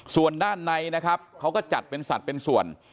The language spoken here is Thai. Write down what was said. ส่วนด้านในนะครับเขาก็จัดเป็นสัตว์เป็นส่วน